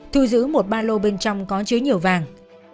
thu giữ một ba lô bên trong có chứa nhiều vàng